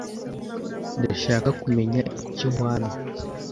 Ndashaka kumenya icyo wamee.